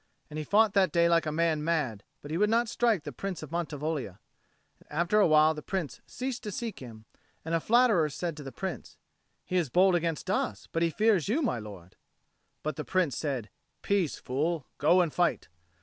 And he fought that day like a man mad; but he would not strike the Prince of Mantivoglia. And after a while the Prince ceased to seek him; and a flatterer said to the Prince, "He is bold against us, but he fears you, my lord." But the Prince said, "Peace, fool. Go and fight."